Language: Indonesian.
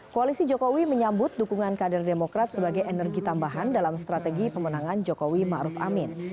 koalisi jokowi menyambut dukungan kader demokrat sebagai energi tambahan dalam strategi pemenangan jokowi ⁇ maruf ⁇ amin